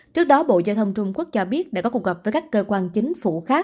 trước đó bộ giao thông trung quốc cho biết đã có cuộc gặp với các cơ quan chính phủ khác